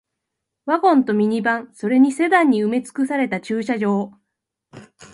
ワゴンとミニバン、それにセダンに埋め尽くされた駐車場